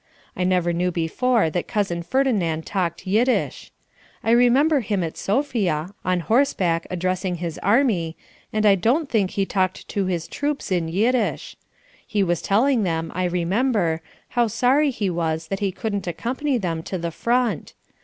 I never knew before that Cousin Ferdinand talked Yiddish. I remember him at Sofia, on horseback addressing his army, and I don't think he talked to his troops in Yiddish. He was telling them, I remember, how sorry he was that he couldn't accompany them to the front.